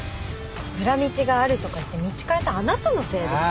裏道があるとか言って道変えたあなたのせいでしょ。